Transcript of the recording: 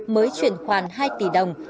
mới chuyển khoản hai tỷ đồng